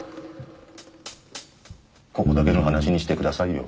ここだけの話にしてくださいよ。